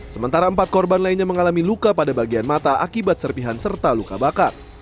sementara empat korban lainnya mengalami luka pada bagian mata akibat serpihan serta luka bakar